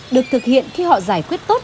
được thực hiện khi họ giải quyết tốt